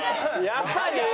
やっぱり？